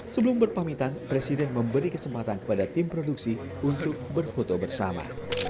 sebelum berpamitan presiden memberi kesempatan kepada tim produksi untuk berfoto bersama